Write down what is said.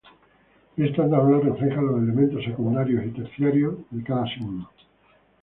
Esta tabla refleja los elementos secundarios y terciarios para cada signo.